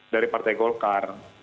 dari partai golkar